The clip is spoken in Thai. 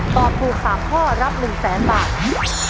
ตอบถูก๓ข้อรับ๑๐๐๐๐บาท